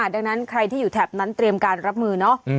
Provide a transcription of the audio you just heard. ดังนั้นใครที่อยู่แถบนั้นเตรียมการรับมือเนาะ